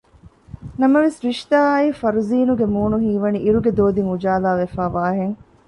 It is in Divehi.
ނަމަވެސް ރިޝްދާ އާއި ފަރުޒީނުގެ މޫނު ހީވަނީ އިރުގެ ދޯދިން އުޖާލާވެފައި ވާހެން